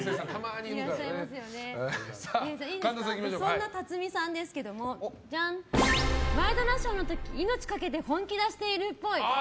そんな辰巳さんですけど「ワイドナショー」の時命かけて本気出しているっぽい。